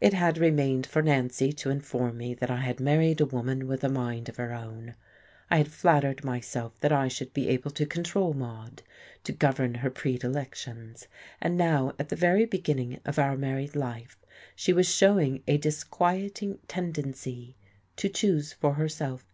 It had remained for Nancy to inform me that I had married a woman with a mind of her own. I had flattered myself that I should be able to control Maude, to govern her predilections, and now at the very beginning of our married life she was showing a disquieting tendency to choose for herself.